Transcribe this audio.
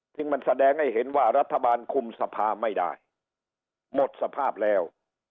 ที่มันแสดงให้เห็นว่ารัฐบาลคุมสภาไม่ได้หมดสภาพแล้ว